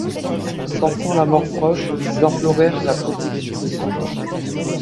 Sentant la mort proche, ils implorèrent la protection de saint Georges.